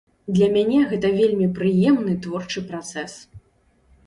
Для мяне гэта вельмі прыемны творчы працэс!